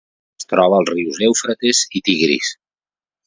Es troba als rius Eufrates i Tigris.